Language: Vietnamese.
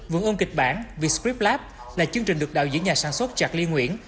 vườn ương kịch bản viet script lab là chương trình được đạo diễn nhà sản xuất chạc ly nguyễn